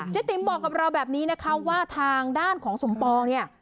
ติ๋มบอกกับเราแบบนี้นะคะว่าทางด้านของสมปองเนี่ย